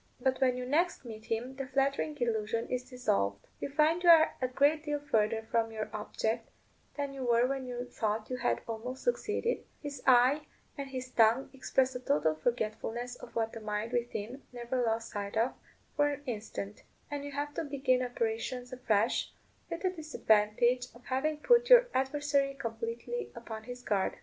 But when you next meet him the flattering illusion is dissolved: you find you are a great deal further from your object than you were when you thought you had almost succeeded; his eye and his tongue express a total forgetfulness of what the mind within never lost sight of for an instant; and you have to begin operations afresh, with the disadvantage of having put your adversary completely upon his guard.